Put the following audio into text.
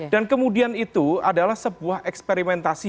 dan kemudian itu adalah sebuah eksperimentasi